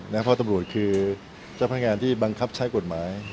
เพราะตำรวจคือเจ้าพนักงานที่บังคับใช้กฎหมาย